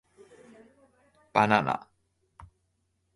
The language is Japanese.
Banana